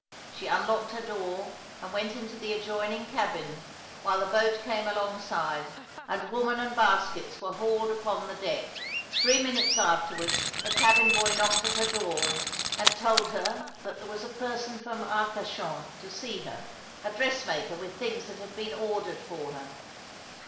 She "unlocked her door, and went into the adjoining cabin, while the boat came alongside, and woman and baskets were hauled upon the deck. ■ Three minutes afterwards the cabin boy knocked at her door, and told her that there was a person from Arcachon to see her^ a dressmaker with things that had been ordered for her.